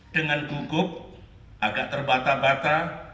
dengan gugup agak terbata bata